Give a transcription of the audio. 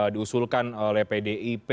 diusulkan oleh pdip